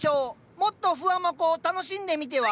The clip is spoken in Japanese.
もっとふわもこを楽しんでみては？